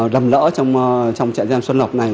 đầm lỡ trong trại dạng xuân lộc này